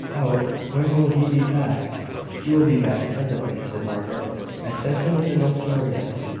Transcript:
"Out! when will he be back?" "He will be back presently," said Margaret. "I sent him with a note to Maria."